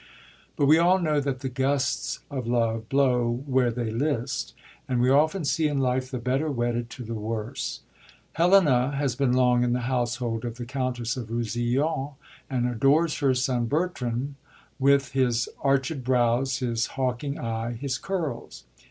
But we all know that the gusts of love blow where they list ; and we often see in life the better wedded to the worse. Helena has been long in the household of the Countess of Rousillon, and adores her son Bertram, with " his arched brows, his hawking eye, his curls."